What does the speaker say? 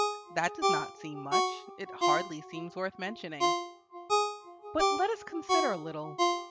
that does not seem much; it hardly seems worth mentioning. But let us consider a little.